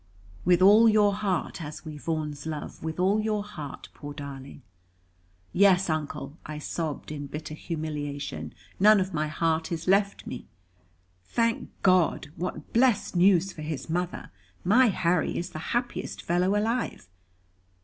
"With all your heart, as we Vaughans love; with all your heart, poor darling?" "Yes, Uncle," I sobbed, in bitter humiliation; "none of my heart is left me." "Thank God! what blest news for his mother! My Harry is the happiest fellow alive."